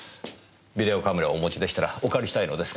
ビデオカメラをお持ちでしたらお借りしたいのですが。